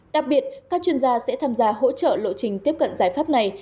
đặc biệt các chuyên gia sẽ tham gia hỗ trợ lộ trình tiếp cận giải pháp này